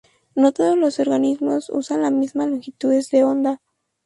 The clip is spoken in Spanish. No todos los organismos usan las misma longitudes de onda.